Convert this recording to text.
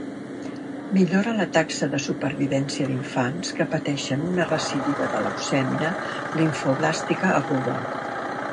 Millora la taxa de supervivència d'infants que pateixen una recidiva de leucèmia limfoblàstica aguda.